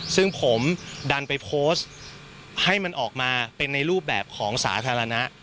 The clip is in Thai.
ซึ่งผมดันไปโพสต์ให้มันออกมาเป็นในรูปแบบของสาธารณะ